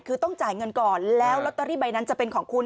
คือต้องจ่ายเงินก่อนแล้วลอตเตอรี่ใบนั้นจะเป็นของคุณ